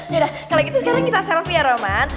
udah kalau gitu sekarang kita selfie ya roman